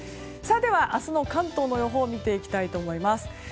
では、明日の関東の予報を見ていきたいと思います。